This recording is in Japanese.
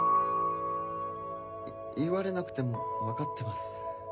言われなくても分かってます